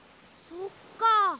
そっかあ。